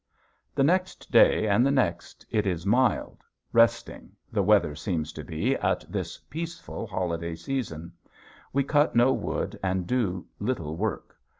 The next day and the next it is mild, resting the weather seems to be at this peaceful holiday season. We cut no wood and do little work.